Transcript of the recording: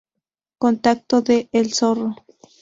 Contacto de "el Zorro".